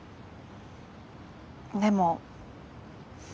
でも。